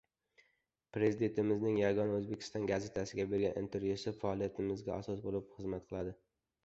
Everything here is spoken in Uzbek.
"Prezidentimizning “Yangi O‘zbekiston” gazetasiga bergan intervyusi faoliyatimizda asos bo‘lib xizmat qiladi"